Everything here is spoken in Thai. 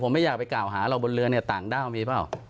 ผมไม่อยากไปกล่าวหาเราบนเรือเนี่ยต่างด้าวมีเปล่า